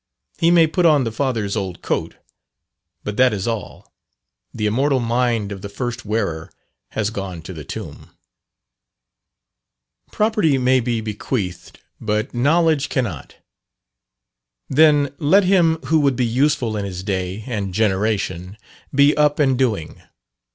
He may put on the father's old coat, but that is all: the immortal mind of the first wearer has gone to the tomb. Property may be bequeathed, but knowledge cannot. Then let him who would be useful in his day and generation be up and doing.